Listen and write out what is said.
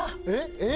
えっ？